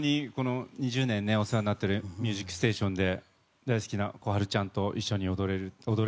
２０年お世話になっている「ミュージックステーション」で大好きな小春ちゃんと一緒に踊れる